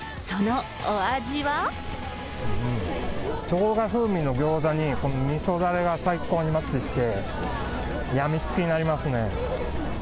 ショウガ風味の餃子に、みそだれが最高にマッチして、病みつきになりますね。